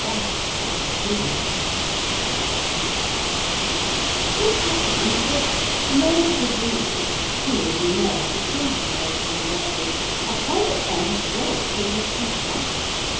BAT GOT HIS WINGS |IT happens that the Merry Little Breezes, who, as you know, are the children of Old Mother West Wind, are quite as fond of stories as is Peter Rabbit.